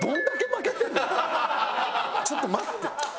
ちょっと待って。